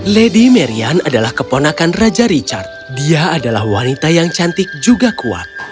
lady marian adalah keponakan raja richard dia adalah wanita yang cantik juga kuat